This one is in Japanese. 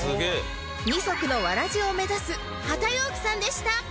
二足のわらじを目指す波田陽区さんでした